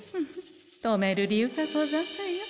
止める理由がござんせんよ。